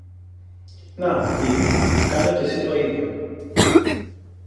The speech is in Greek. Να, είπε, κάνε και συ το ίδιο.